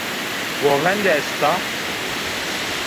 Govende est a